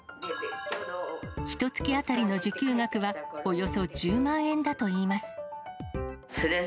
ひとつき当たりの受給額はおよそ１０万円だといいます。